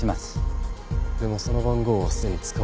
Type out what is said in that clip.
でもその番号はすでに使われていない。